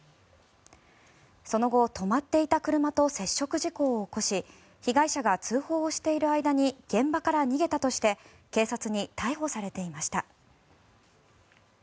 その後、止まっていた車と接触事故を起こし被害者が通報をしている間に現場から逃げたとして警察に逮捕されていました。